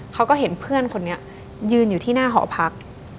เขาก็เห็นเพื่อนคนนี้ยืนอยู่ที่หน้าหอพัก